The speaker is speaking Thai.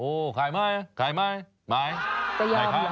โอ้ขายไหมขายไหมขาย